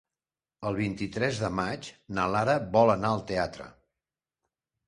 El vint-i-tres de maig na Lara vol anar al teatre.